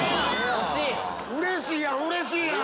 うれしいやんうれしいやん！